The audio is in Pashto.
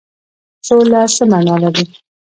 سوله څه معنی لري؟